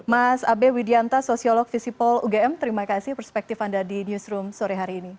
mas abe widianta sosiolog visipol ugm terima kasih perspektif anda di newsroom sore hari ini